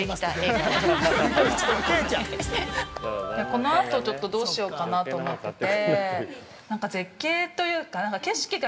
このあと、ちょっとどうしようかなと思ってて◆